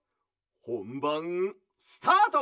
ほんばんスタート！